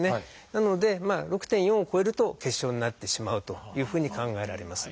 なので６．４を超えると結晶になってしまうというふうに考えられます。